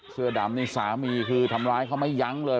เสื้อดำนี่สามีคือทำร้ายเขาไม่ยั้งเลย